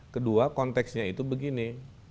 kedua konteksnya itu begini